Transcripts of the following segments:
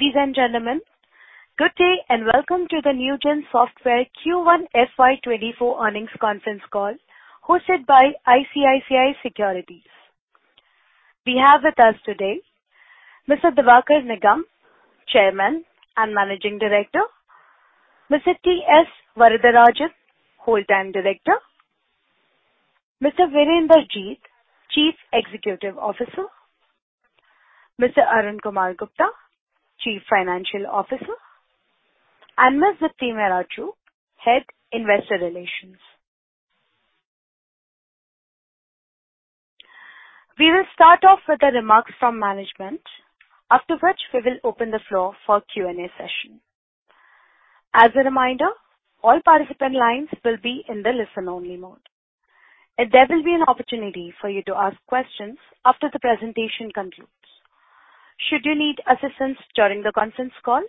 Ladies and gentlemen, good day, and welcome to the Newgen Software Q1 FY 2024 earnings conference call, hosted by ICICI Securities. We have with us today Mr. Diwakar Nigam, Chairman and Managing Director, Mr. T.S. Varadarajan, Whole-time Director, Mr. Virender Jeet, Chief Executive Officer, Mr. Arun Kumar Gupta, Chief Financial Officer, and Ms. Deepti Mehra Chugh, Head Investor Relations. We will start off with the remarks from management, after which we will open the floor for Q&A session. As a reminder, all participant lines will be in the listen-only mode. There will be an opportunity for you to ask questions after the presentation concludes. Should you need assistance during the conference call,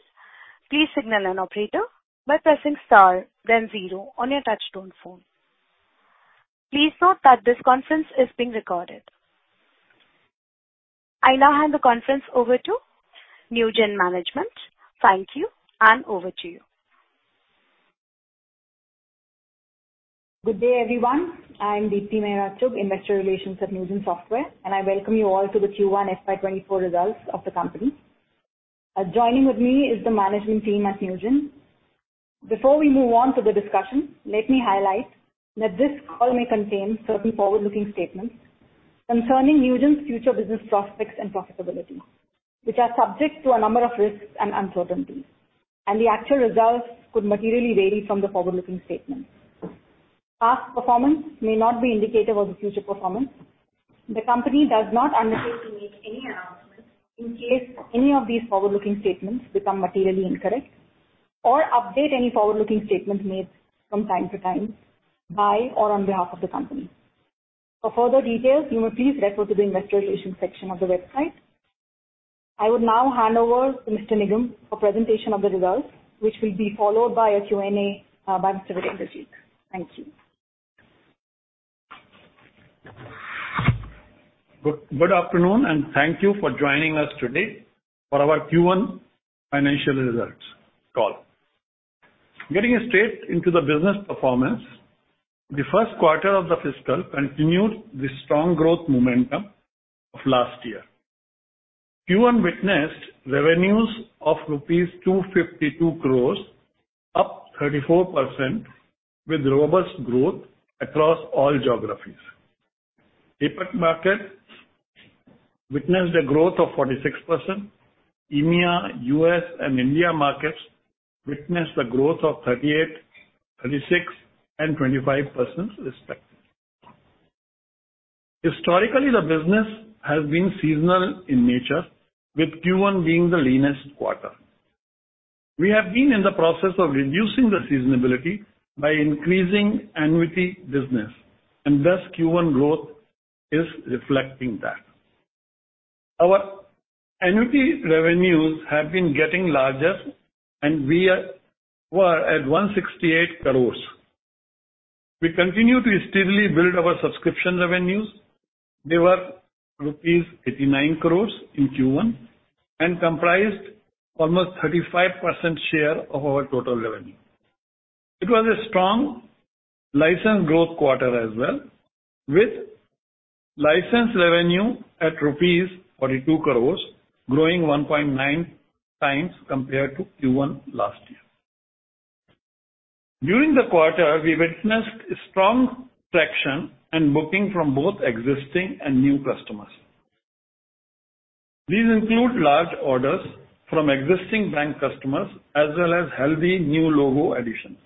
please signal an operator by pressing star then zero on your touch-tone phone. Please note that this conference is being recorded. I now hand the conference over to Newgen management. Thank you, and over to you. Good day, everyone. I'm Deepti Mehra Chugh, Investor Relations at Newgen Software, and I welcome you all to the Q1 FY 2024 results of the company. Joining with me is the management team at Newgen. Before we move on to the discussion, let me highlight that this call may contain certain forward-looking statements concerning Newgen's future business prospects and profitability, which are subject to a number of risks and uncertainties, and the actual results could materially vary from the forward-looking statements. Past performance may not be indicative of the future performance. The company does not undertake to make any announcements in case any of these forward-looking statements become materially incorrect or update any forward-looking statements made from time to time by or on behalf of the company. For further details, you may please refer to the investor relations section of the website. I would now hand over to Mr. Nigam for presentation of the results, which will be followed by a Q&A, by Mr. Virender Jeet. Thank you. Good afternoon, and thank you for joining us today for our Q1 financial results call. Getting straight into the business performance, the first quarter of the fiscal continued the strong growth momentum of last year. Q1 witnessed revenues of rupees 252 crores, up 34%, with robust growth across all geographies. APAC market witnessed a growth of 46%. EMEA, U.S., and India markets witnessed a growth of 38%, 36%, and 25%, respectively. Historically, the business has been seasonal in nature, with Q1 being the leanest quarter. We have been in the process of reducing the seasonability by increasing annuity business, and thus Q1 growth is reflecting that. Our annuity revenues have been getting larger, and we were at 168 crores. We continue to steadily build our subscription revenues. They were rupees 89 crores in Q1 and comprised almost 35% share of our total revenue. It was a strong license growth quarter as well, with license revenue at rupees 42 crores, growing 1.9x compared to Q1 last year. During the quarter, we witnessed strong traction and booking from both existing and new customers. These include large orders from existing bank customers as well as healthy new logo additions.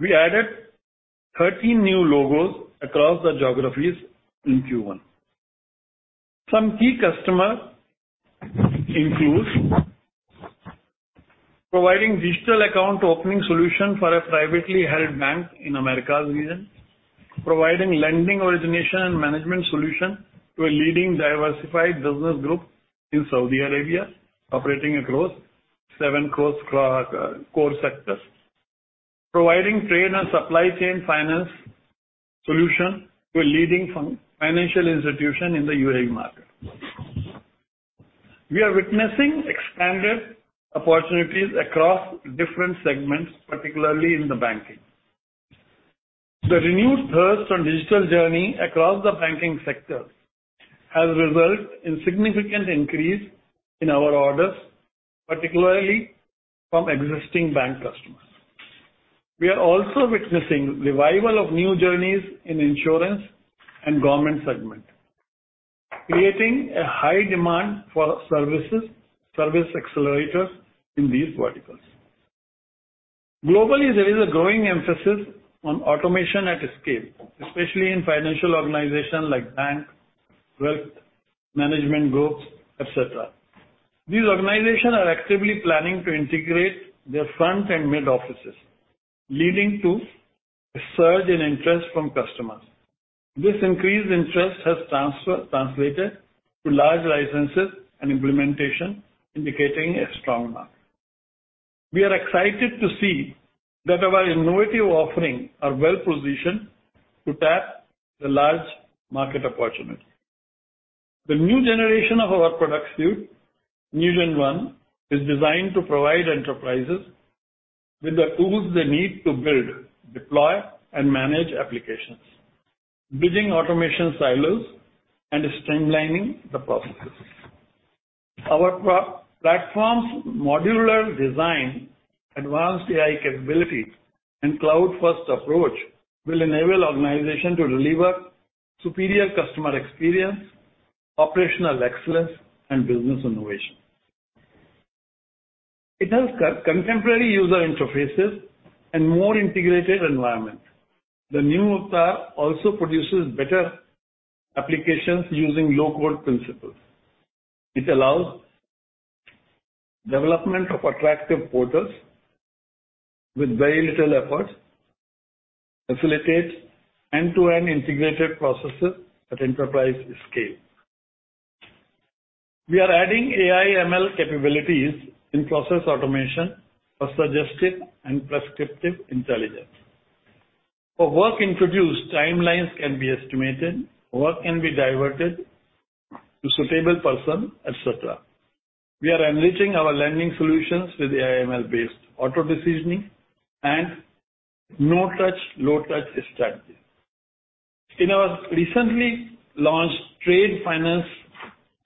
We added 13 new logos across the geographies in Q1. Some key customer includes: providing digital account opening solution for a privately held bank in Americas region, providing lending origination and management solution to a leading diversified business group in Saudi Arabia, operating across seven core sectors, providing trade and supply chain finance solution to a leading financial institution in the UAE market. We are witnessing expanded opportunities across different segments, particularly in the banking. The renewed thirst on digital journey across the banking sector has resulted in significant increase in our orders, particularly from existing bank customers. We are also witnessing revival of new journeys in insurance and government segment, creating a high demand for services, service accelerators in these verticals. Globally, there is a growing emphasis on automation at scale, especially in financial organizations like bank, wealth management groups, et cetera. These organizations are actively planning to integrate their front and mid-offices, leading to a surge in interest from customers. This increased interest has translated to large licenses and implementation, indicating a strong market. We are excited to see that our innovative offerings are well-positioned to tap the large market opportunities. The new generation of our product suite, NewgenONE, is designed to provide enterprises with the tools they need to build, deploy, and manage applications, bridging automation silos and streamlining the processes. Our platform's modular design, advanced AI capabilities, and cloud-first approach will enable organizations to deliver superior customer experience, operational excellence, and business innovation. It has got contemporary user interfaces and more integrated environment. The new platform also produces better applications using low-code principles. It allows development of attractive portals with very little effort, facilitates end-to-end integrated processes at enterprise scale. We are adding AI/ML capabilities in process automation for suggestive and prescriptive intelligence. For work introduced, timelines can be estimated, work can be diverted to suitable person, et cetera. We are unleashing our lending solutions with AI/ML-based auto decisioning and no-touch, low-touch strategy. In our recently launched trade finance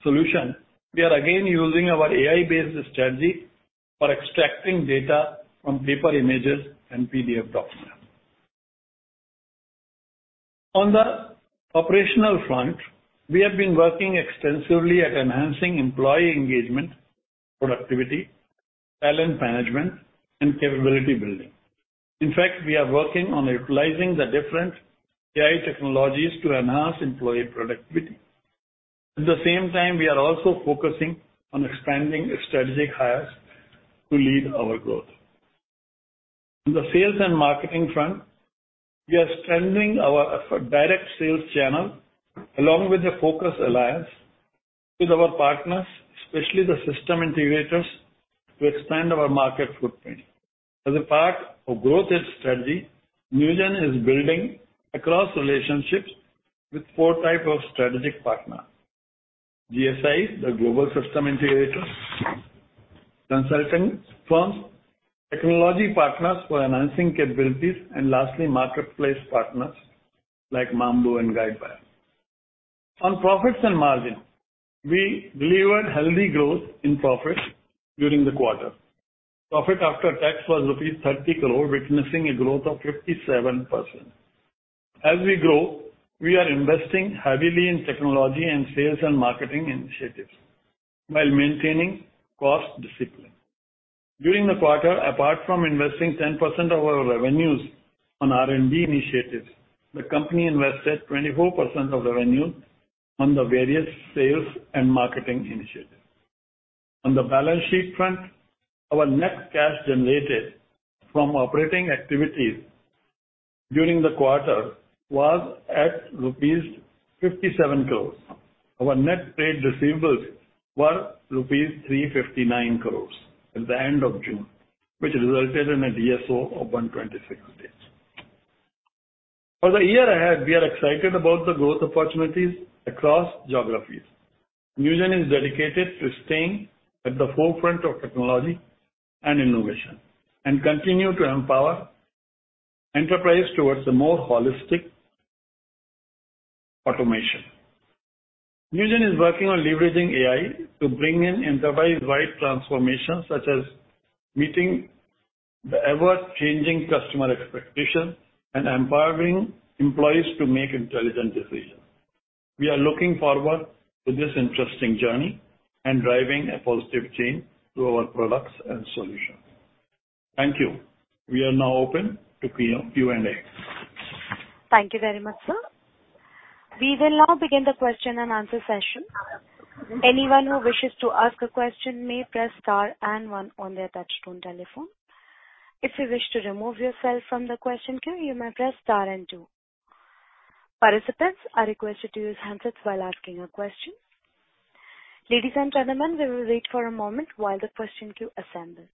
solution, we are again using our AI-based strategy for extracting data from paper images and PDF documents. On the operational front, we have been working extensively at enhancing employee engagement, productivity, talent management, and capability building. In fact, we are working on utilizing the different AI technologies to enhance employee productivity. At the same time, we are also focusing on expanding strategic hires to lead our growth. On the sales and marketing front, we are strengthening our direct sales channel, along with a focused alliance with our partners, especially the system integrators, to expand our market footprint. As a part of growth edge strategy, Newgen is building across relationships with four types of strategic partners: GSIs, the global system integrators, consulting firms, technology partners for enhancing capabilities, and lastly, marketplace partners like Mambu and Guidewire. On profits and margin, we delivered healthy growth in profits during the quarter. Profit after tax was rupees 30 crore, witnessing a growth of 57%. As we grow, we are investing heavily in technology and sales and marketing initiatives while maintaining cost discipline. During the quarter, apart from investing 10% of our revenues on R&D initiatives, the company invested 24% of revenue on the various sales and marketing initiatives. On the balance sheet front, our net cash generated from operating activities during the quarter was at rupees 57 crore. Our net trade receivables were rupees 359 crore at the end of June, which resulted in a DSO of 126 days. For the year ahead, we are excited about the growth opportunities across geographies. Newgen is dedicated to staying at the forefront of technology and innovation, and continue to empower enterprise towards a more holistic automation. Newgen is working on leveraging AI to bring in enterprise-wide transformation, such as meeting the ever-changing customer expectations and empowering employees to make intelligent decisions. We are looking forward to this interesting journey and driving a positive change through our products and solutions. Thank you. We are now open to Q&A. Thank you very much, sir. We will now begin the question and answer session. Anyone who wishes to ask a question may press star and one on their touchtone telephone. If you wish to remove yourself from the question queue, you may press star and two. Participants are requested to use handsets while asking a question. Ladies and gentlemen, we will wait for a moment while the question queue assembles.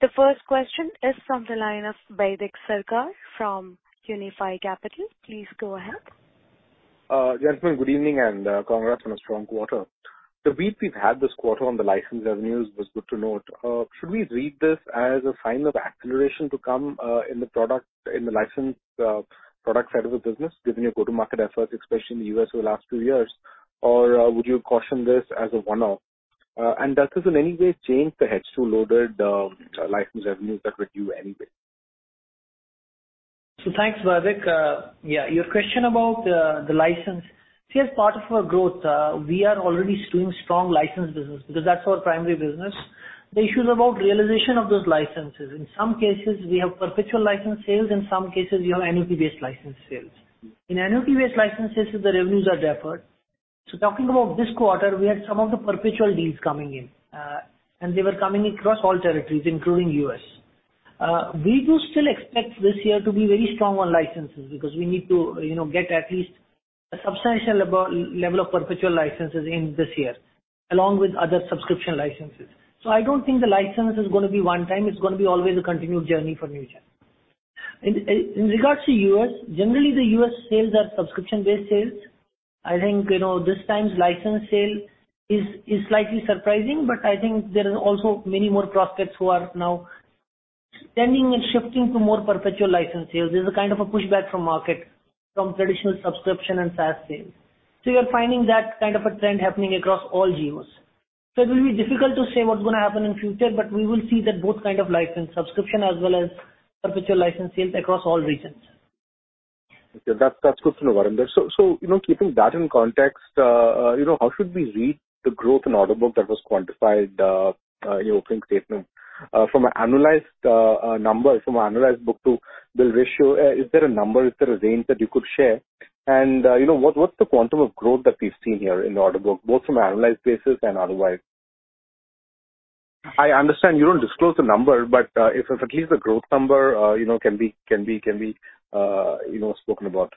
The first question is from the line of Baidik Sarkar from Unifi Capital. Please go ahead. Gentlemen, good evening, and congrats on a strong quarter. The beat we've had this quarter on the license revenues was good to note. Should we read this as a sign of acceleration to come in the license, product side of the business, given your go-to-market efforts, especially in the U.S. over the last two years? Or would you caution this as a one-off? Does this in any way change the H2 loaded license revenues that were due anyway? Thanks, Baidik. Yeah, your question about the license. As part of our growth, we are already seeing strong license business because that's our primary business. The issue is about realization of those licenses. In some cases, we have perpetual license sales, in some cases, we have annuity-based license sales. In annuity-based licenses, the revenues are deferred. Talking about this quarter, we had some of the perpetual deals coming in, and they were coming across all territories, including U.S. We do still expect this year to be very strong on licenses, because we need to, you know, get at least a substantial level of perpetual licenses in this year, along with other subscription licenses. I don't think the license is gonna be one time, it's gonna be always a continued journey for Newgen. In regards to U.S., generally, the U.S. sales are subscription-based sales. I think, you know, this time's license sale is slightly surprising, but I think there is also many more prospects who are now standing and shifting to more perpetual license sales. There's a kind of a pushback from market from traditional subscription and SaaS sales. You are finding that kind of a trend happening across all geos. It will be difficult to say what's gonna happen in future, but we will see that both kind of license, subscription as well as perpetual license sales across all regions. Okay. That's good to know, Virender Jeet. You know, keeping that in context, you know, how should we read the growth in order book that was quantified in your opening statement? From an annualized number, from an annualized book to the ratio, is there a number, is there a range that you could share? You know, what's the quantum of growth that we've seen here in the order book, both from annualized basis and otherwise? I understand you don't disclose the number, if at least the growth number, you know, can be spoken about.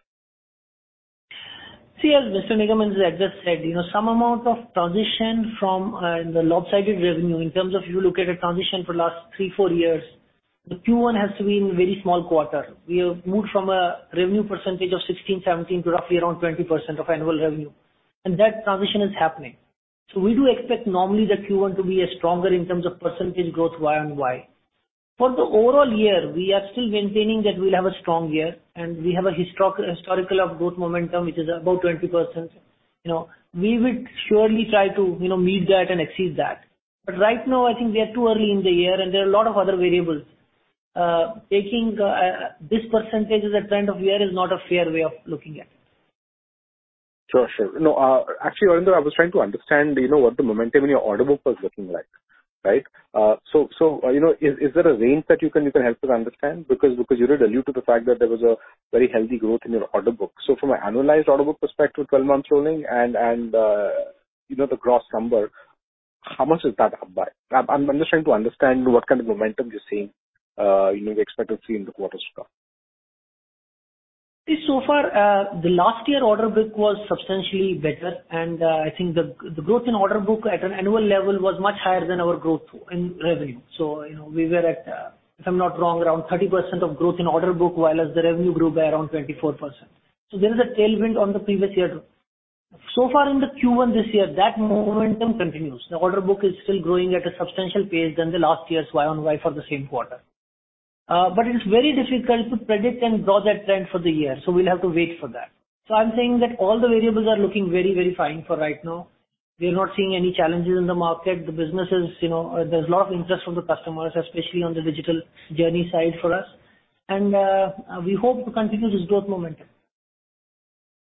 As Mr. Nigam has just said, you know, some amount of transition from in the lopsided revenue in terms of you look at a transition for last 3, 4 years, the Q1 has to be in very small quarter. We have moved from a revenue percentage of 16, 17, to roughly around 20% of annual revenue, that transition is happening. We do expect normally the Q1 to be stronger in terms of percentage growth year-over-year. For the overall year, we are still maintaining that we'll have a strong year, and we have a historical of growth momentum, which is about 20%. You know, we would surely try to, you know, meet that and exceed that. Right now, I think we are too early in the year, and there are a lot of other variables. Taking, this percentage as a trend of year is not a fair way of looking at. Sure, sure. No, actually, Varinder, I was trying to understand, you know, what the momentum in your order book was looking like, right? You know, is there a range that you can help us understand? Because you did allude to the fact that there was a very healthy growth in your order book. From an annualized order book perspective, 12 months rolling, and, you know, the gross number, how much is that number? I'm just trying to understand what kind of momentum you're seeing, you know, we expect to see in the quarters to come. So far, the last year order book was substantially better, and I think the growth in order book at an annual level was much higher than our growth in revenue. You know, we were at, if I'm not wrong, around 30% of growth in order book, while as the revenue grew by around 24%. There is a tailwind on the previous year. So far in the Q1 this year, that momentum continues. The order book is still growing at a substantial pace than the last year's YoY for the same quarter. It is very difficult to predict and draw that trend for the year, so we'll have to wait for that. I'm saying that all the variables are looking very, very fine for right now. We are not seeing any challenges in the market. The business is, you know, there's a lot of interest from the customers, especially on the digital journey side for us, and we hope to continue this growth momentum.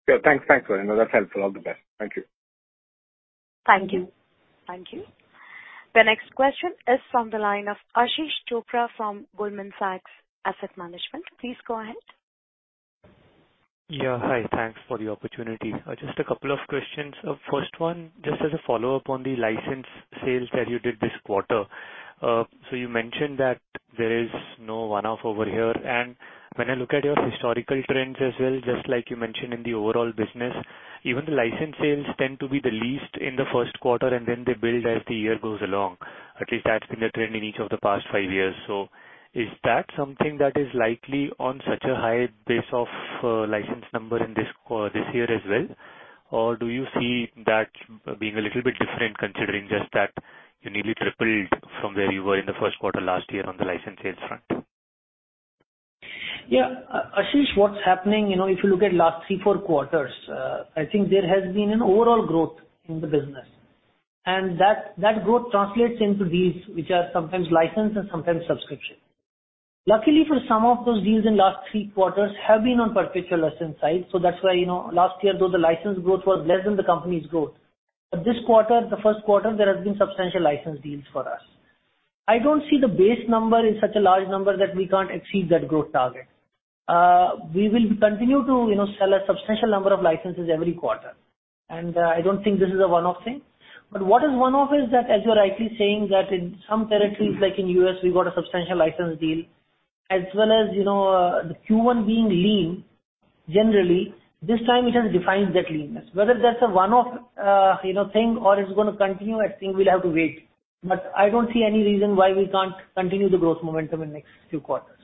Yeah. Thanks. Thanks, Varinder. That's helpful. All the best. Thank you. Thank you. Thank you. The next question is from the line of Ashish Chopra from Goldman Sachs Asset Management. Please go ahead. Yeah, hi. Thanks for the opportunity. Just a couple of questions. First one, just as a follow-up on the license sales that you did this quarter. You mentioned that there is no one-off over here, and when I look at your historical trends as well, just like you mentioned in the overall business, even the license sales tend to be the least in the first quarter, and then they build as the year goes along. At least that's been the trend in each of the past 5 years. Is that something that is likely on such a high base of license number in this this year as well? Do you see that being a little bit different, considering just that you nearly tripled from where you were in the first quarter last year on the license sales front? Yeah. Ashish, what's happening, you know, if you look at last three, four quarters, I think there has been an overall growth in the business, and that growth translates into deals, which are sometimes license and sometimes subscription. Luckily, for some of those deals in last three quarters have been on perpetual license side, so that's why, you know, last year, though, the license growth was less than the company's growth. This quarter, the first quarter, there has been substantial license deals for us. I don't see the base number is such a large number that we can't exceed that growth target. We will continue to, you know, sell a substantial number of licenses every quarter, and I don't think this is a one-off thing. What is one-off is that, as you're rightly saying, that in some territories, like in U.S., we got a substantial license deal, as well as, you know, the Q1 being lean, generally, this time it has defined that leanness. Whether that's a one-off, you know, thing or it's gonna continue, I think we'll have to wait. I don't see any reason why we can't continue the growth momentum in next few quarters.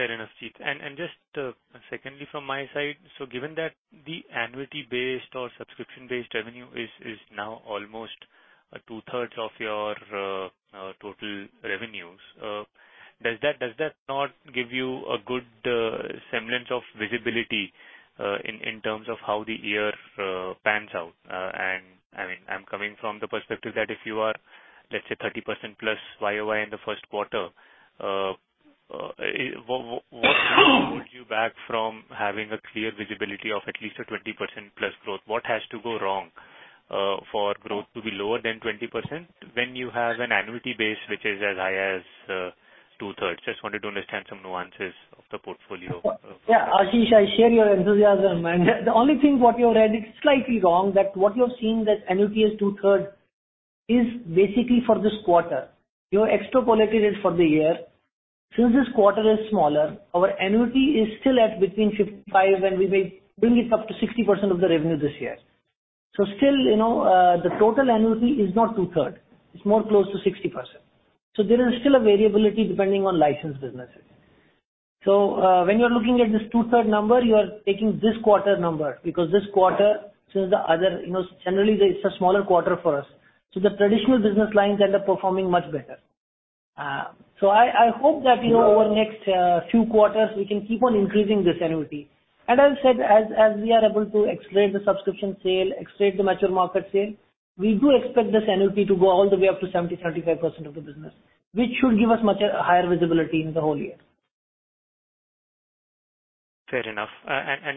Fair enough, Jeet. Just, secondly, from my side: given that the annuity-based or subscription-based revenue is now almost 2/3 of your total revenues, does that not give you a good semblance of visibility in terms of how the year pans out? I mean, I'm coming from the perspective that if you are, let's say, 30%+ YoY in the first quarter, what holds you back from having a clear visibility of at least a 20%+ growth? What has to go wrong for growth to be lower than 20% when you have an annuity base which is as high as 2/3? Just wanted to understand some nuances of the portfolio. Yeah, Ashish, I share your enthusiasm, and the only thing what you read, it's slightly wrong, what you're seeing that annuity is 2/3, is basically for this quarter. You're extrapolated it for the year. Since this quarter is smaller, our annuity is still at between 55%, and we may bring it up to 60% of the revenue this year. Still, you know, the total annuity is not 2/3, it's more close to 60%. There is still a variability depending on licensed businesses. When you are looking at this 2/3 number, you are taking this quarter number, because this quarter to the other, you know, generally, it's a smaller quarter for us, the traditional business lines end up performing much better. I hope that, you know, our next, few quarters, we can keep on increasing this annuity. I've said, as we are able to escalate the subscription sale, escalate the mature market sale, we do expect this annuity to go all the way up to 70%, 75% of the business, which should give us much higher visibility in the whole year. Fair enough.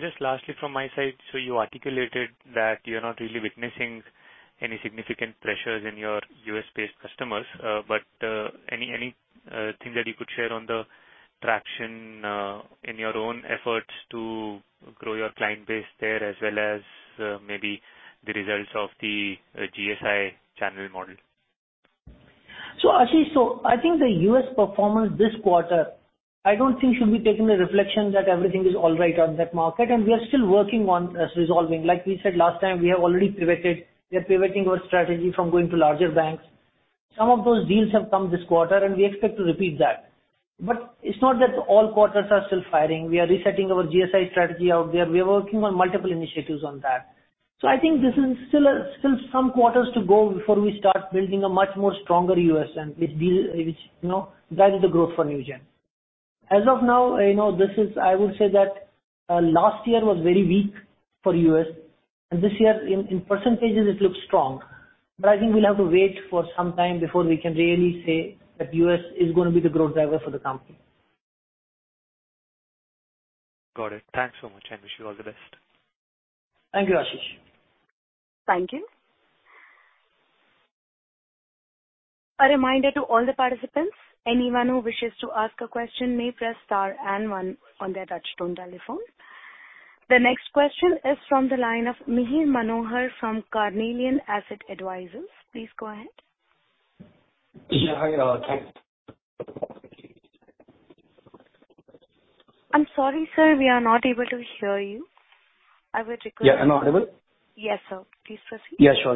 Just lastly from my side, you articulated that you're not really witnessing any significant pressures in your U.S.-based customers. Anything that you could share on the traction, in your own efforts to grow your client base there, as well as, maybe the results of the GSI channel model? Ashish, I think the U.S. performance this quarter, I don't think should be taken a reflection that everything is all right on that market. We are still working on resolving. Like we said last time, we have already pivoted. We are pivoting our strategy from going to larger banks. Some of those deals have come this quarter. We expect to repeat that. It's not that all quarters are still firing. We are resetting our GSI strategy out there. We are working on multiple initiatives on that. I think this is still still some quarters to go before we start building a much more stronger U.S. Which we, you know, drives the growth for Newgen. As of now, you know, this is... I would say that, last year was very weak for U.S., and this year, in percentages, it looks strong. I think we'll have to wait for some time before we can really say that U.S. is gonna be the growth driver for the company. Got it. Thanks so much, and wish you all the best. Thank you, Ashish. Thank you. A reminder to all the participants, anyone who wishes to ask a question, may press star and 1 on their touchtone telephone. The next question is from the line of Mihir Manohar from Carnelian Asset Advisors. Please go ahead. Yeah. Hi, I'm sorry, sir, we are not able to hear you. I would request. Yeah. Now audible? Yes, sir. Please proceed. Yeah, sure.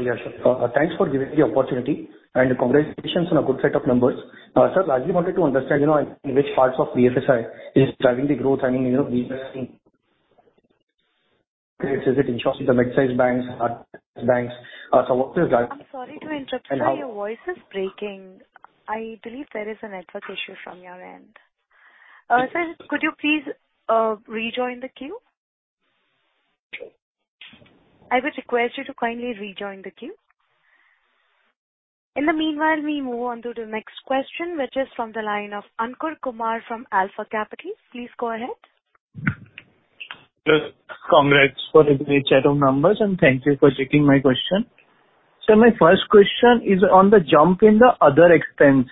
Thanks for giving me the opportunity, congratulations on a good set of numbers. Sir, I mainly wanted to understand, you know, in which parts of the BFSI is driving the growth? I mean, you know, is it insurance, the mid-sized banks, large banks? What is that- I'm sorry to interrupt you. And how- Your voice is breaking. I believe there is a network issue from your end. Sir, could you please rejoin the queue? I would request you to kindly rejoin the queue. In the meanwhile, we move on to the next question, which is from the line of Ankur Kumar from Alpha Capital. Please go ahead. Good. Congrats for the great set of numbers, and thank you for taking my question. My first question is on the jump in the other expense.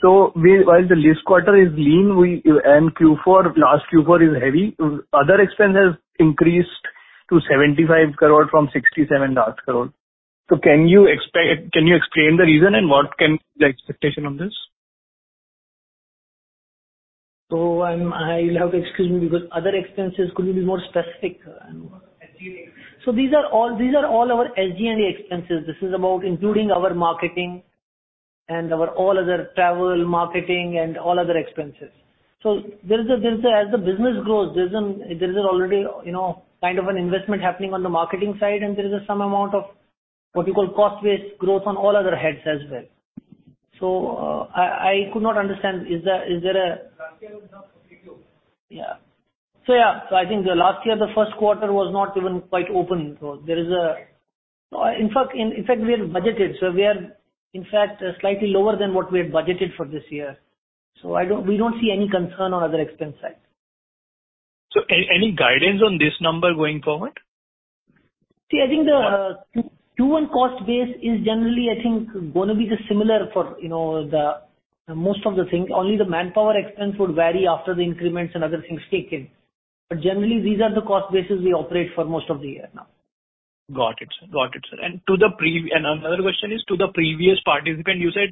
while the this quarter is lean, we, and Q4, last Q4 is heavy, other expense has increased to 75 crore from 67-odd crore. Can you explain the reason, and what can the expectation on this? I will have to excuse me, because other expenses, could you be more specific? SG&A. These are all our SG&A expenses. This is about including our marketing and our all other travel, marketing, and all other expenses. There is a, as the business grows, there is already, you know, kind of an investment happening on the marketing side, and there is some amount of what you call cost base growth on all other heads as well. I could not understand, is there a? Last year was not pretty good. Yeah. I think the last year, the first quarter was not even quite open. There is, in fact, in effect, we had budgeted, so we are, in fact, slightly lower than what we had budgeted for this year. We don't see any concern on other expense side. Any guidance on this number going forward? See, I think the Q1 cost base is generally, I think, gonna be the similar for, you know, the, most of the things. Only the manpower expense would vary after the increments and other things kick in. Generally, these are the cost bases we operate for most of the year now. Got it. Got it, sir. Another question is, to the previous participant, you said,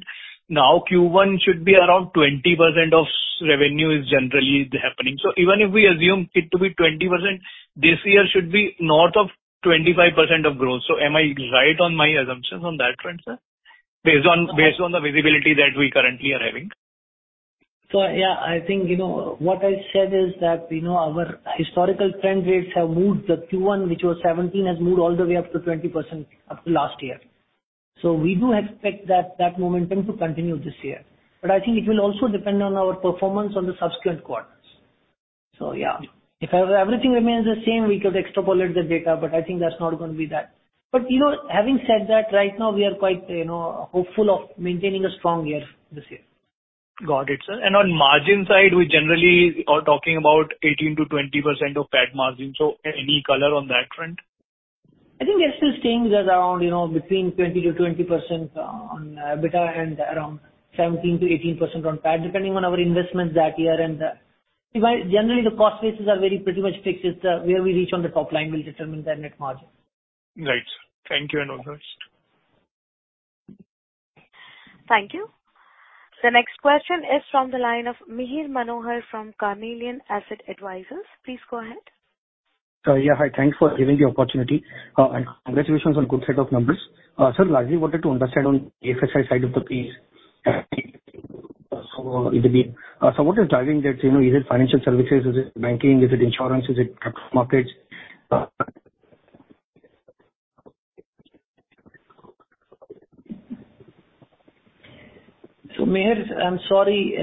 now Q1 should be around 20% of revenue is generally happening. Even if we assume it to be 20%, this year should be north of 25% of growth. Am I right on my assumptions on that front, sir, based on the visibility that we're currently having? Yeah, I think, you know, what I said is that, we know our historical trend rates have moved. The Q1, which was 17%, has moved all the way up to 20% up to last year. We do expect that momentum to continue this year. I think it will also depend on our performance on the subsequent quarter. Yeah, if everything remains the same, we could extrapolate the data, but I think that's not going to be that. You know, having said that, right now we are quite, you know, hopeful of maintaining a strong year this year. Got it, sir. On margin side, we generally are talking about 18%-20% of PAT margin. Any color on that front? I think there's still things around, you know, between 20%-21% on EBITDA and around 17%-18% on PAT, depending on our investments that year. Generally, the cost bases are very pretty much fixed. Where we reach on the top line will determine the net margin. Right, sir. Thank you. All the best. Thank you. The next question is from the line of Mihir Manohar from Carnelian Asset Advisors. Please go ahead. Yeah. Hi, thanks for giving the opportunity, and congratulations on good set of numbers. Sir, largely wanted to understand on BFSI side of the piece. It will be, so what is driving that? You know, is it financial services, is it banking, is it insurance, is it capital markets? Mihir, I'm sorry,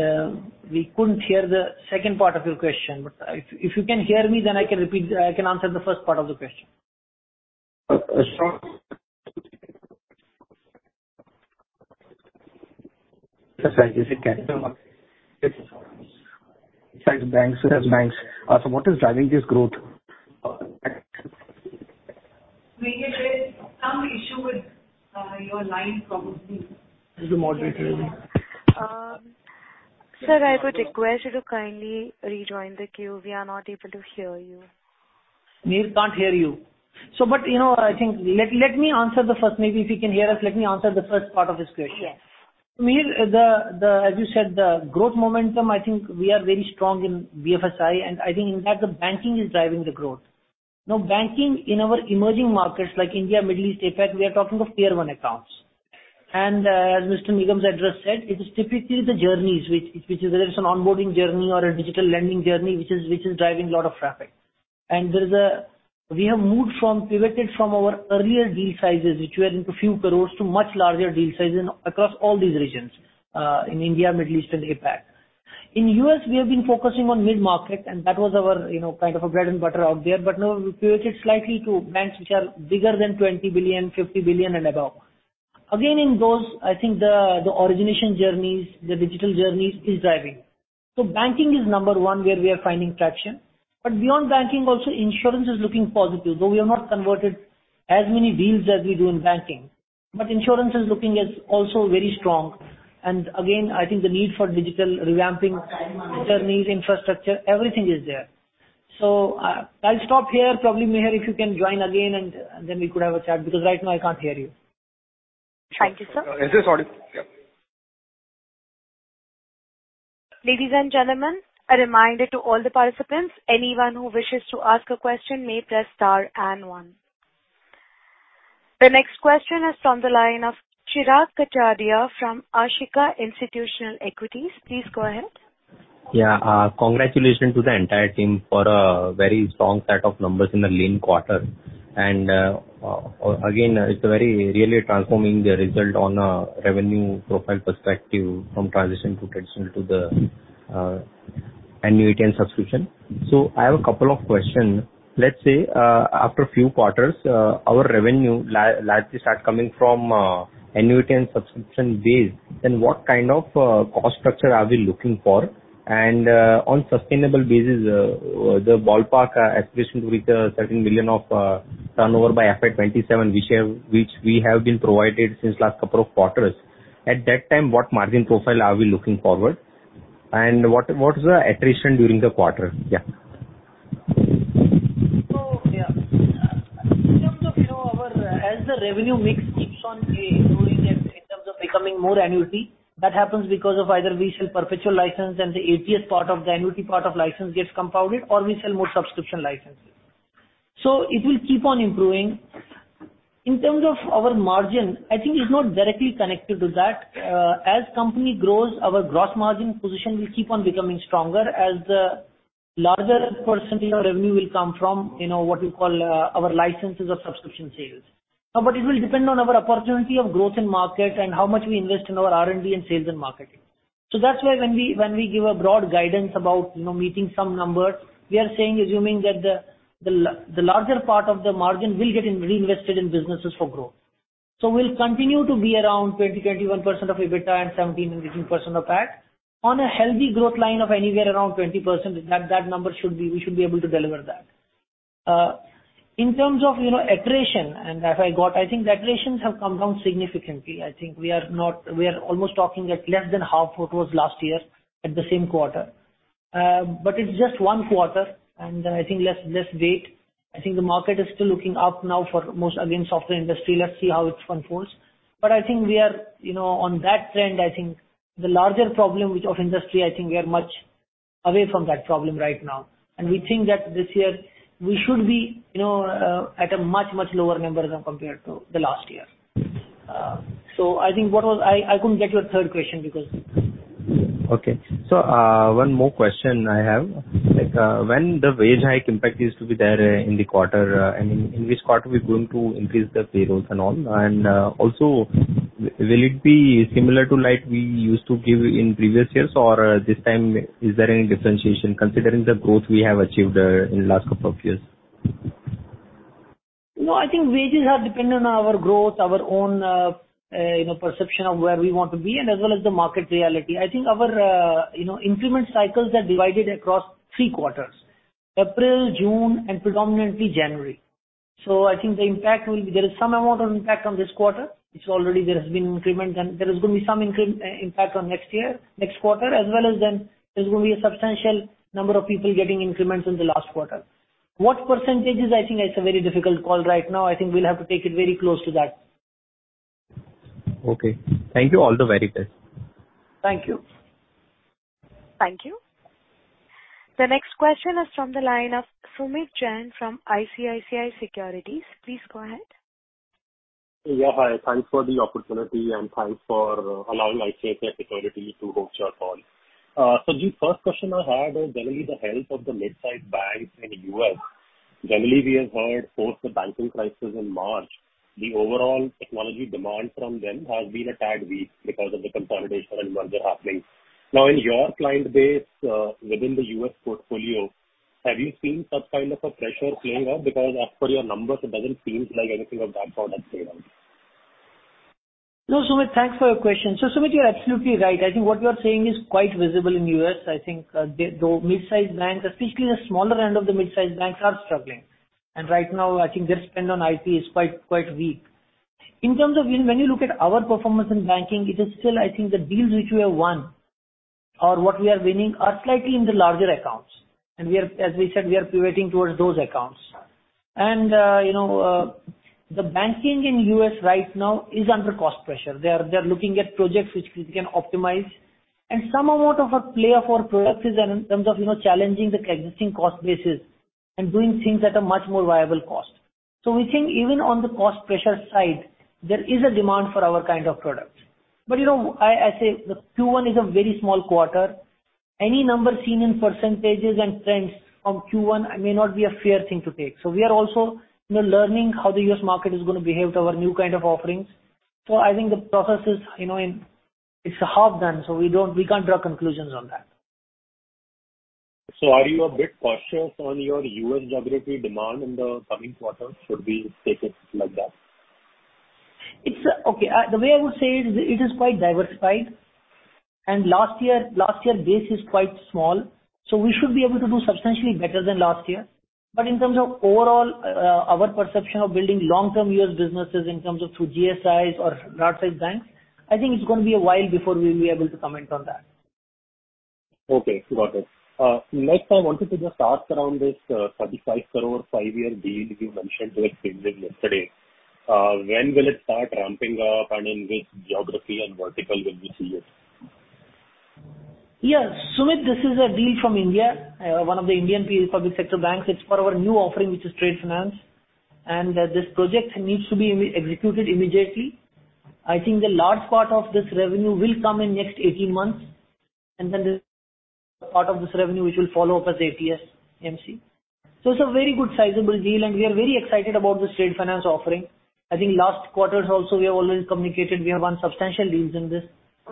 we couldn't hear the second part of your question, but if you can hear me, then I can answer the first part of the question. Besides banks, such as banks. What is driving this growth? Mihir, there is some issue with your line probably. The moderator. Sir, I would request you to kindly rejoin the queue. We are not able to hear you. Mihir, can't hear you. You know, I think let me answer the first. Maybe if you can hear us, let me answer the first part of this question. Yes. Mihir, the... As you said, the growth momentum, I think we are very strong in BFSI, and I think in that the banking is driving the growth. Banking in our emerging markets like India, Middle East, APAC, we are talking of Tier 1 accounts. As Mr. Nigam's address said, it is typically the journeys which is whether it's an onboarding journey or a digital lending journey, which is driving a lot of traffic. There is. We have moved from, pivoted from our earlier deal sizes, which were into few crores, to much larger deal sizes across all these regions in India, Middle East, and APAC. In U.S., we have been focusing on mid-market, and that was our, you know, kind of a bread and butter out there. Now we've pivoted slightly to banks which are bigger than $20 billion, $50 billion, and above. In those, I think the origination journeys, the digital journeys is driving. Banking is number one, where we are finding traction. Beyond banking, also, insurance is looking positive, though we have not converted as many deals as we do in banking. Insurance is looking as also very strong. Again, I think the need for digital revamping, journeys, infrastructure, everything is there. I'll stop here. Probably, Mihir, if you can join again, and then we could have a chat, because right now I can't hear you. Thank you, sir. Yes, sorry. Yep. Ladies and gentlemen, a reminder to all the participants. Anyone who wishes to ask a question may press star and one. The next question is from the line of Chirag Kachhadiya from Ashika Institutional Equities. Please go ahead. Yeah, congratulations to the entire team for a very strong set of numbers in a lean quarter. Again, it's very really transforming the result on revenue largely start coming from annuity and subscription base, then what kind of cost structure are we looking for? On sustainable basis, the ballpark aspiration to reach a certain million of turnover by FY 2027, which we have been provided since last couple of quarters. At that time, what margin profile are we looking forward? What is the attrition during the quarter? Yeah, in terms of, you know, our As the revenue mix keeps on growing in terms of becoming more annuity, that happens because of either we sell perpetual license and the ATS part of the annuity part of license gets compounded, or we sell more subscription licenses. It will keep on improving. In terms of our margin, I think it's not directly connected to that. As company grows, our gross margin position will keep on becoming stronger as the larger percentage of revenue will come from, you know, what you call, our licenses or subscription sales. But it will depend on our opportunity of growth in market and how much we invest in our R&D and sales and marketing. That's why when we, when we give a broad guidance about, you know, meeting some numbers, we are saying, assuming that the larger part of the margin will get reinvested in businesses for growth. We'll continue to be around 20%-21% of EBITDA and 17%-18% of PAT on a healthy growth line of anywhere around 20%. We should be able to deliver that. In terms of, you know, attrition, I think the attritions have come down significantly. I think we are almost talking at less than half what was last year at the same quarter. It's just one quarter, and I think let's wait. I think the market is still looking up now for most, again, software industry. Let's see how it unfolds. I think we are, you know, on that trend, I think the larger problem which of industry, I think we are much away from that problem right now. We think that this year we should be, you know, at a much, much lower number than compared to the last year. I couldn't get your third question. Okay. One more question I have. Like, when the wage hike impact is to be there, in the quarter, and in which quarter we're going to increase the payrolls and all? Also, will it be similar to like we used to give in previous years, or this time is there any differentiation, considering the growth we have achieved, in last couple of years? No, I think wages are dependent on our growth, our own, you know, perception of where we want to be, and as well as the market reality. I think our, you know, increment cycles are divided across three quarters: April, June, and predominantly January. I think the impact will be. There is some amount of impact on this quarter, which already there has been increments, and there is going to be some impact on next year, next quarter, as well as then there's going to be a substantial number of people getting increments in the last quarter. What percentages? I think it's a very difficult call right now. I think we'll have to take it very close to that. Okay. Thank you. All the very best. Thank you. Thank you. The next question is from the line of Sumeet Jain from ICICI Securities. Please go ahead. Yeah, hi. Thanks for the opportunity, and thanks for allowing ICICI Securities to host your call. The first question I had is generally the health of the mid-sized banks in the U.S. Generally, we have heard post the banking crisis in March, the overall technology demand from them has been a tad weak because of the consolidation and merger happening. In your client base, within the U.S. portfolio, have you seen some kind of a pressure playing out? As per your numbers, it doesn't seem like anything of that sort has played out. No, Sumeet, thanks for your question. Sumeet, you're absolutely right. I think what you're saying is quite visible in U.S. I think the mid-sized banks, especially the smaller end of the mid-sized banks, are struggling. Right now, I think their spend on IT is quite weak. In terms of when you look at our performance in banking, it is still I think the deals which we have won or what we are winning are slightly in the larger accounts. We are, as we said, we are pivoting towards those accounts. You know, the banking in U.S. right now is under cost pressure. They are looking at projects which we can optimize, Some amount of a play off our products is in terms of, you know, challenging the existing cost basis and doing things at a much more viable cost. We think even on the cost pressure side, there is a demand for our kind of products. You know, I say the Q1 is a very small quarter. Any number seen in percentages and trends from Q1 may not be a fair thing to take. We are also, you know, learning how the U.S. market is going to behave to our new kind of offerings. I think the process is, you know, It's half done, so we can't draw conclusions on that. Are you a bit cautious on your U.S. geography demand in the coming quarters, should we take it like that? It's Okay, the way I would say it is quite diversified. Last year, last year base is quite small, we should be able to do substantially better than last year. In terms of overall, our perception of building long-term U.S. businesses in terms of through GSIs or large-sized banks, I think it's going to be a while before we'll be able to comment on that. Okay, got it. Next, I wanted to just ask around this, 35 crore five-year deal you mentioned towards yesterday. When will it start ramping up, and in which geography and vertical will we see it? Yeah, Sumeet Jain, this is a deal from India, one of the Indian public sector banks. It's for our new offering, which is trade finance. This project needs to be executed immediately. I think the large part of this revenue will come in next 18 months, the part of this revenue, which will follow up as ATS/AMC. It's a very good sizable deal, we are very excited about this trade finance offering. I think last quarter also, we have already communicated, we have won substantial deals in this,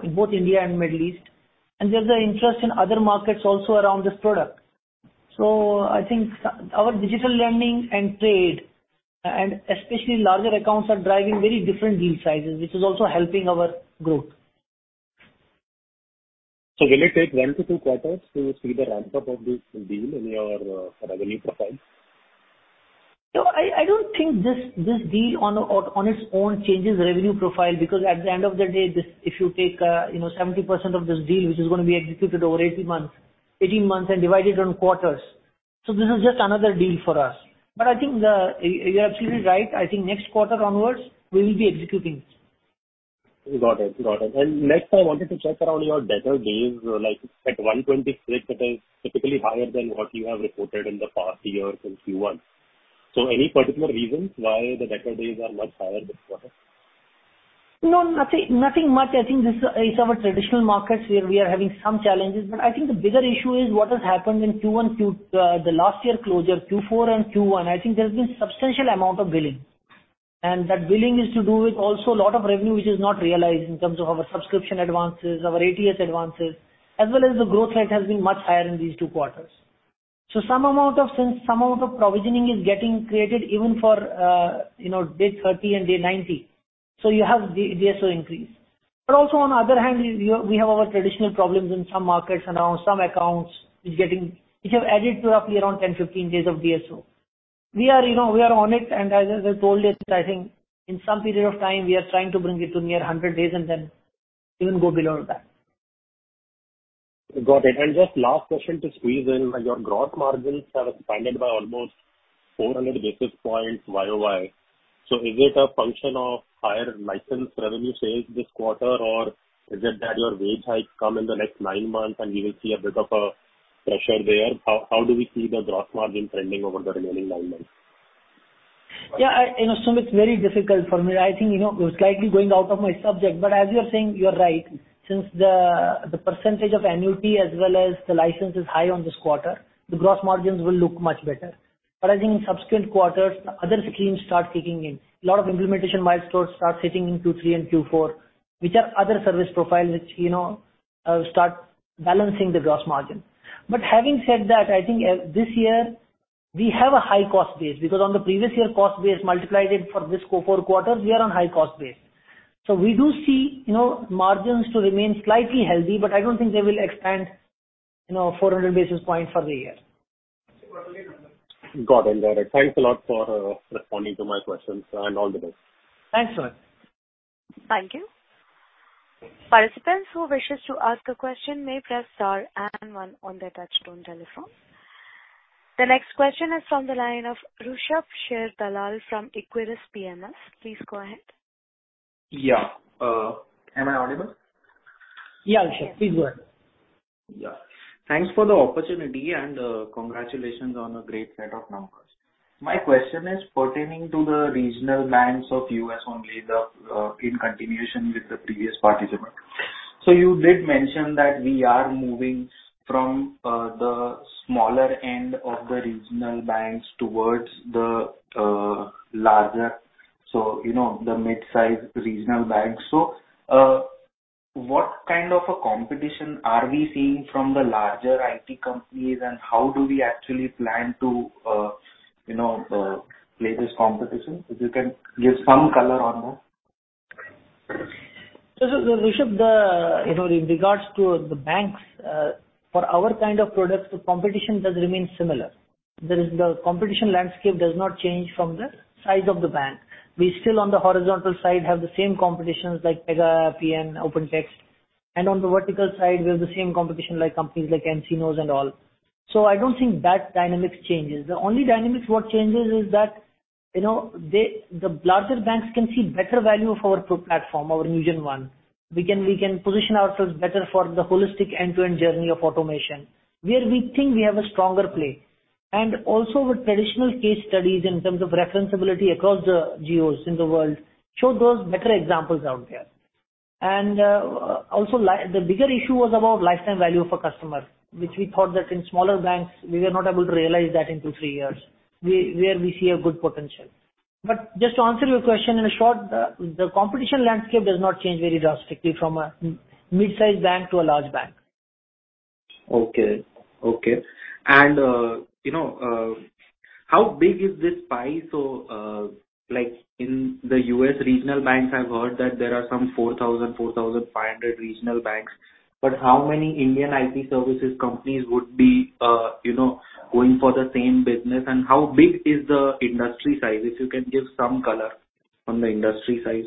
in both India and Middle East. There's a interest in other markets also around this product. I think our digital lending and trade, and especially larger accounts, are driving very different deal sizes, which is also helping our growth. Will it take one to two quarters to see the ramp-up of this deal in your revenue profile? No, I don't think this deal on its own changes the revenue profile, because at the end of the day, this, if you take, you know, 70% of this deal, which is going to be executed over 18 months, and divide it on quarters, so this is just another deal for us. I think you're absolutely right. I think next quarter onwards, we will be executing this. Got it. Got it. Next, I wanted to check around your debtor days, like, at 120 straight, that is typically higher than what you have reported in the past year since Q1. Any particular reasons why the debtor days are much higher this quarter? No, nothing much. I think this is our traditional markets, where we are having some challenges. I think the bigger issue is what has happened in Q1, the last year closure, Q4 and Q1, I think there's been substantial amount of billing. That billing is to do with also a lot of revenue, which is not realized in terms of our subscription advances, our ATS advances, as well as the growth rate has been much higher in these two quarters. Some amount of, since some amount of provisioning is getting created even for, you know, day 30 and day 90, so you have DSO increase. Also on the other hand, we have our traditional problems in some markets and on some accounts, which have added to roughly around 10, 15 days of DSO. We are, you know, we are on it. As I told you, I think in some period of time, we are trying to bring it to near 100 days and then even go below that. Got it. Just last question to squeeze in, your gross margins have expanded by almost 400 basis points YoY. Is it a function of higher license revenue sales this quarter, or is it that your wage hikes come in the next nine months and you will see a bit of a pressure there? How do we see the gross margin trending over the remaining nine months? I, you know, Sumeet, it's very difficult for me. I think, you know, slightly going out of my subject, as you're saying, you're right. Since the percentage of annuity as well as the license is high on this quarter, the gross margins will look much better. I think in subsequent quarters, other schemes start kicking in. A lot of implementation milestones start setting in Q3 and Q4, which are other service profiles which, you know, start balancing the gross margin. Having said that, I think, this year we have a high cost base, because on the previous year cost base, multiplied it for this quarter, we are on high cost base. We do see, you know, margins to remain slightly healthy, but I don't think they will expand, you know, 400 basis points for the year. Got it, got it. Thanks a lot for responding to my questions. All the best. Thanks a lot. Thank you. Participants who wishes to ask a question may press star and one on their touchtone telephone. The next question is from the line of Rushabh Sharedalal from Equirus PMS. Please go ahead. Yeah. Am I audible? Yeah, Rushabh, please go ahead. Yeah. Thanks for the opportunity and congratulations on a great set of numbers. My question is pertaining to the regional banks of U.S. only, in continuation with the previous participant. You did mention that we are moving from the smaller end of the regional banks towards the larger, so, you know, the mid-sized regional banks. What kind of a competition are we seeing from the larger IT companies, and how do we actually plan to, you know, play this competition? If you can give some color on that. Rushabh, the, you know, in regards to the banks, for our kind of products, the competition does remain similar. The competition landscape does not change from the size of the bank. We still, on the horizontal side, have the same competitions like Pega, Appian, OpenText, and on the vertical side, we have the same competition, like, companies like nCino and all. I don't think that dynamics changes. The only dynamics what changes is that, you know, they, the larger banks can see better value of our pro platform, our NewgenONE. We can position ourselves better for the holistic end-to-end journey of automation, where we think we have a stronger play. Also with traditional case studies in terms of referenceability across the geos in the world, show those better examples out there. Also, the bigger issue was about lifetime value of a customer, which we thought that in smaller banks, we were not able to realize that in two, three years, we see a good potential. Just to answer your question, in a short, the competition landscape does not change very drastically from a mid-sized bank to a large bank. Okay. Okay. You know, how big is this pie? Like, in the U.S. regional banks, I've heard that there are some 4,000, 4,500 regional banks, how many Indian IT services companies would be, you know, going for the same business? How big is the industry size? If you can give some color on the industry size.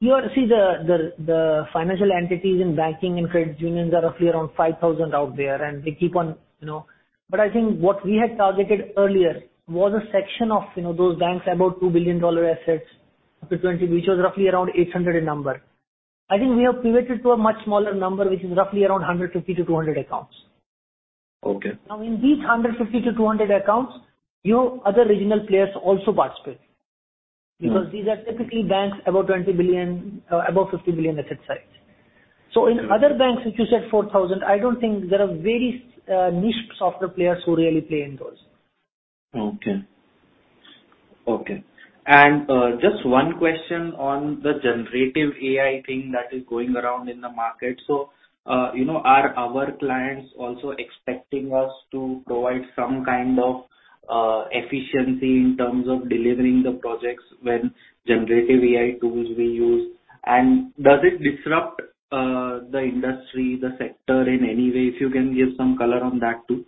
You see, the financial entities in banking and credit unions are roughly around 5,000 out there, and they keep on, you know. I think what we had targeted earlier was a section of, you know, those banks, about $2 billion assets up to $20 billion, which was roughly around 800 in number. I think we have pivoted to a much smaller number, which is roughly around 150 to 200 accounts. Okay. In these 150-200 accounts, you know, other regional players also participate. Mm-hmm. These are typically banks about $20 billion, above $50 billion asset size. Okay. In other banks, if you said 4,000, I don't think there are very niche software players who really play in those. Okay. Okay. Just one question on the generative AI thing that is going around in the market. You know, are our clients also expecting us to provide some kind of efficiency in terms of delivering the projects when generative AI tools we use? Does it disrupt the industry, the sector in any way? If you can give some color on that, too.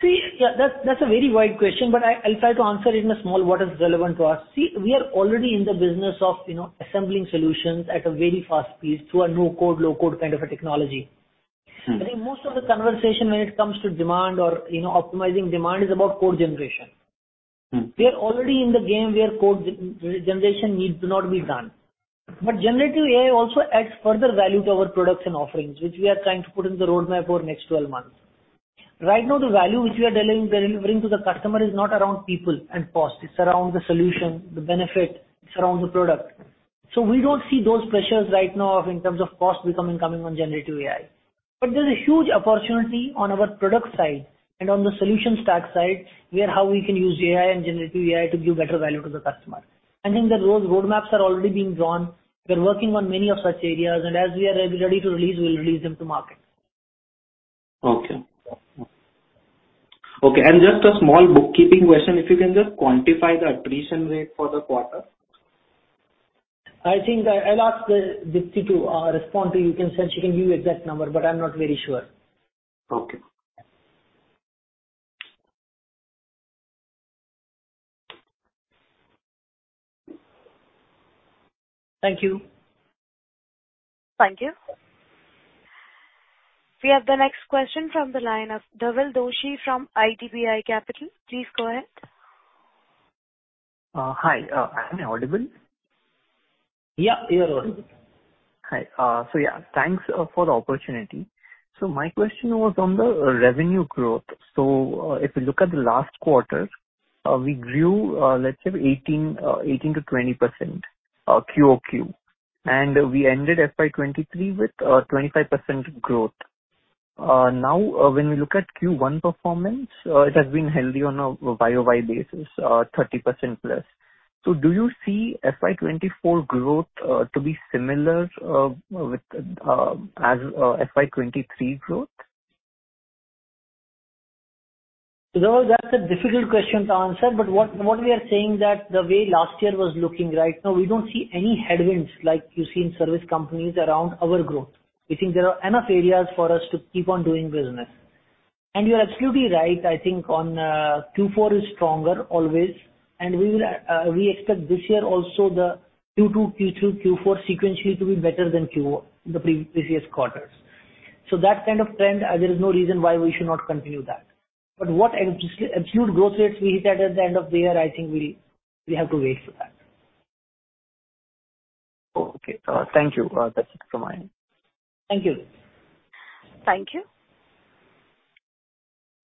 Yeah, that's a very wide question, but I'll try to answer it in a small what is relevant to us. We are already in the business of, you know, assembling solutions at a very fast pace through a no-code, low-code kind of a technology. Mm-hmm. I think most of the conversation when it comes to demand or, you know, optimizing demand, is about code generation. We are already in the game where code generation needs to not be done. generative AI also adds further value to our products and offerings, which we are trying to put in the roadmap for next 12 months. Right now, the value which we are delivering to the customer is not around people and cost, it's around the solution, the benefit, it's around the product. We don't see those pressures right now in terms of cost becoming coming on generative AI. There's a huge opportunity on our product side and on the solution stack side, where how we can use AI and generative AI to give better value to the customer. I think that those roadmaps are already being drawn. We're working on many of such areas, and as we are ready to release, we'll release them to market. Okay. Okay, just a small bookkeeping question, if you can just quantify the attrition rate for the quarter? I think I'll ask Deepti to respond to you. You can say she can give you exact number, but I'm not very sure. Okay. Thank you. Thank you. We have the next question from the line of Dhawal Doshi from IDBI Capital. Please go ahead. Hi, am I audible? Yeah, you are audible. Hi, yeah, thanks for the opportunity. My question was on the revenue growth. If you look at the last quarter, we grew 18%-20% QOQ. We ended FY 2023 with 25% growth. When we look at Q1 performance, it has been healthy on a YoY basis, 30%+. Do you see FY 2024 growth to be similar with as FY 2023 growth? That's a difficult question to answer, what we are saying that the way last year was looking right now, we don't see any headwinds like you see in service companies around our growth. We think there are enough areas for us to keep on doing business. You are absolutely right, I think on Q4 is stronger always, and we will, we expect this year also the Q2, Q4 sequentially to be better than the pre-previous quarters. That kind of trend, there is no reason why we should not continue that. What exact absolute growth rates we hit at the end of the year, I think we have to wait for that. Okay. thank you. that's it from my end. Thank you. Thank you.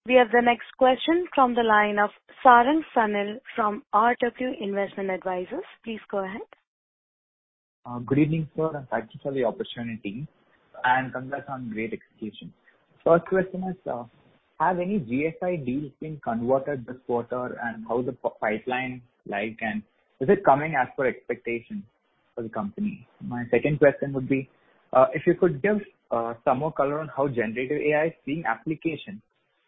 We have the next question from the line of Sarang Sanil from RW Investment Advisors. Please go ahead. Good evening, sir. Thank you for the opportunity, and congrats on great execution. First question is, have any GSI deals been converted this quarter, and how is the pipeline like, and is it coming as per expectations for the company? My second question would be, if you could give some more color on how generative AI is seeing application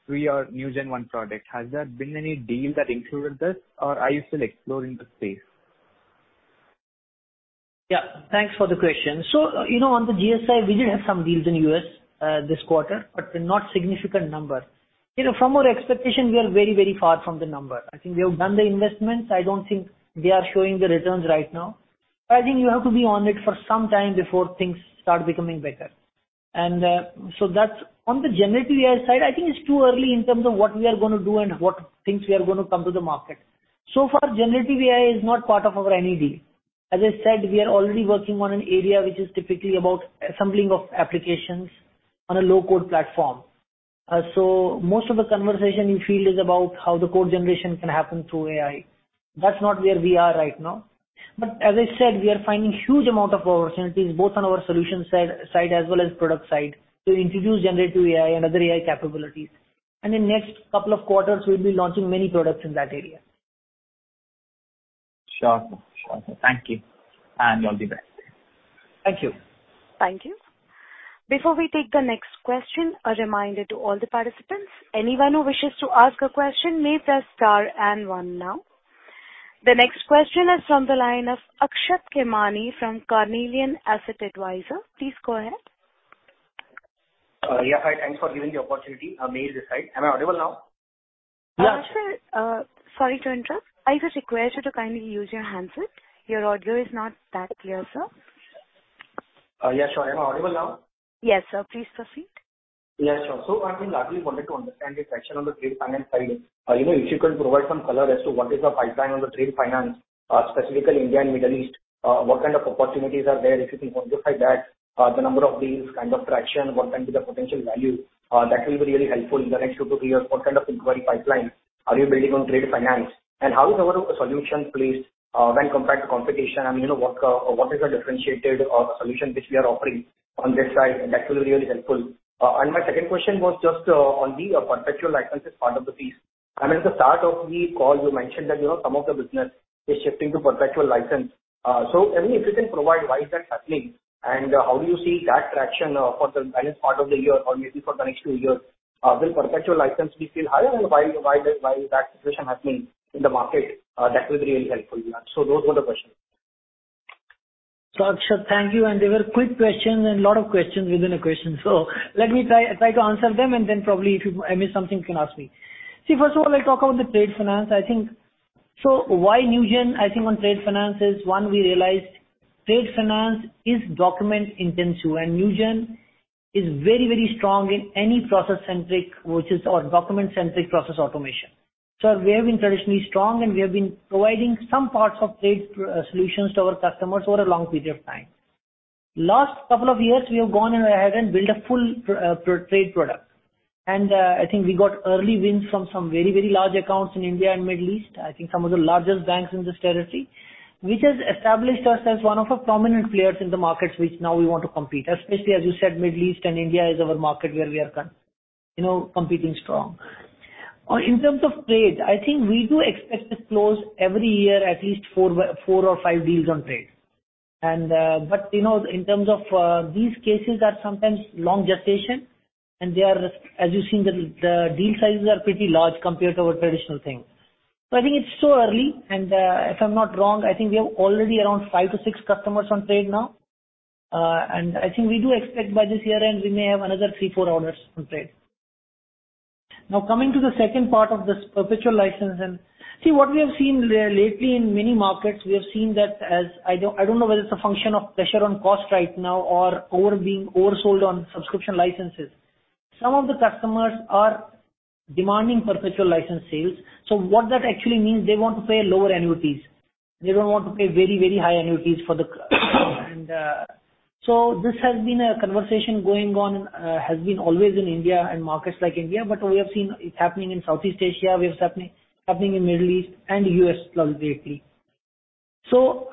through your NewgenONE product. Has there been any deal that included this, or are you still exploring the space? Yeah, thanks for the question. You know, on the GSI, we did have some deals in U.S. this quarter, but not significant number. You know, from our expectation, we are very, very far from the number. I think we have done the investments. I don't think they are showing the returns right now. I think you have to be on it for some time before things start becoming better. That's. On the generative AI side, I think it's too early in terms of what we are going to do and what things we are going to come to the market. So far, generative AI is not part of our any deal. As I said, we are already working on an area which is typically about assembling of applications on a low-code platform. Most of the conversation you feel is about how the code generation can happen through AI. That's not where we are right now. As I said, we are finding huge amount of opportunities both on our solution side as well as product side to introduce generative AI and other AI capabilities. In next couple of quarters, we'll be launching many products in that area. Sure. Sure. Thank you. All the best. Thank you. Thank you. Before we take the next question, a reminder to all the participants, anyone who wishes to ask a question, may press star and one now. The next question is from the line of Akshat Khemani from Carnelian Asset Advisors. Please go ahead. Yeah, hi. Thanks for giving the opportunity. May this side. Am I audible now? Sir, sorry to interrupt. I just request you to kindly use your handset. Your audio is not that clear, sir. Yeah, sure. Am I audible now? Yes, sir. Please proceed. Yeah, sure. I think I really wanted to understand the traction on the trade finance side. you know, if you could provide some color as to what is the pipeline on the trade finance, specifically India and Middle East, what kind of opportunities are there? If you can quantify that, the number of deals, kind of traction, what can be the potential value, that will be really helpful in the next two to three years. What kind of inquiry pipeline are you building on trade finance? How is our solution placed, when compared to competition? I mean, you know, what is the differentiated, solution which we are offering on this side? That will be really helpful. My second question was just on the perpetual licenses part of the piece. I mean, at the start of the call, you mentioned that, you know, some of the business is shifting to perpetual license. I mean, if you can provide, why is that happening, and how do you see that traction for the balance part of the year or maybe for the next two years? Will perpetual license be still higher and why that situation happening in the market? That will be really helpful. Those were the questions. Akshat, thank you. They were quick questions and a lot of questions within a question. Let me try to answer them, and then probably if you, I miss something, you can ask me. First of all, I'll talk about the trade finance. Why Newgen? On trade finance is, one, we realized trade finance is document-intensive, and Newgen is very, very strong in any process-centric versus or document-centric process automation. We have been traditionally strong, and we have been providing some parts of trade solutions to our customers over a long period of time. Last couple of years, we have gone ahead and built a full trade product. We got early wins from some very, very large accounts in India and Middle East. I think some of the largest banks in this territory, which has established us as one of the prominent players in the markets, which now we want to compete, especially as you said, Middle East and India is our market where we are you know, competing strong. In terms of trade, I think we do expect to close every year at least four or five deals on trade. But, you know, in terms of these cases are sometimes long gestation, and they are, as you've seen, the deal sizes are pretty large compared to our traditional thing. I think it's still early, and if I'm not wrong, I think we have already around five to six customers on trade now. And I think we do expect by this year end, we may have another three, four orders on trade. Coming to the second part of this perpetual license, see, what we have seen lately in many markets, we have seen that as I don't, I don't know whether it's a function of pressure on cost right now or over being oversold on subscription licenses. Some of the customers are demanding perpetual license sales. What that actually means, they want to pay lower annuities. They don't want to pay very high annuities for the. This has been a conversation going on, has been always in India and markets like India, but we have seen it happening in Southeast Asia, we have seen it happening in Middle East and U.S. lately.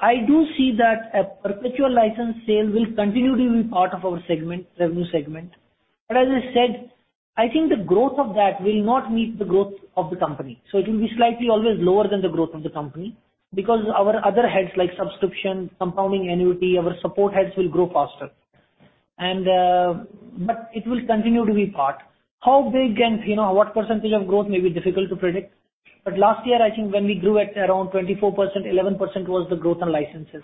I do see that a perpetual license sale will continue to be part of our segment, revenue segment. As I said, I think the growth of that will not meet the growth of the company. It will be slightly always lower than the growth of the company because our other heads, like subscription, compounding annuity, our support heads, will grow faster. It will continue to be part. How big and, you know, what percentage of growth may be difficult to predict, but last year, I think when we grew at around 24%, 11% was the growth on licenses.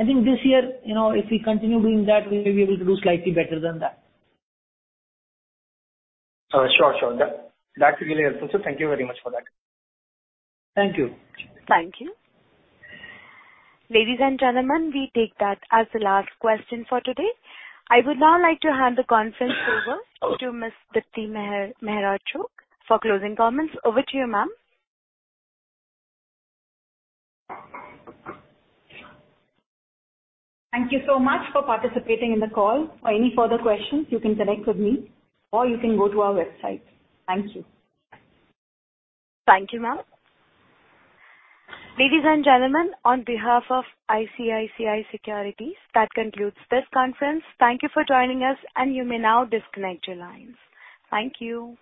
I think this year, you know, if we continue doing that, we may be able to do slightly better than that. sure. That's really helpful, sir. Thank you very much for that. Thank you. Thank you. Ladies and gentlemen, we take that as the last question for today. I would now like to hand the conference over to Ms. Deepti Mehra Chugh for closing comments. Over to you, ma'am. Thank you so much for participating in the call. For any further questions, you can connect with me, or you can go to our website. Thank you. Thank you, ma'am. Ladies and gentlemen, on behalf of ICICI Securities, that concludes this conference. Thank you for joining us, and you may now disconnect your lines. Thank you.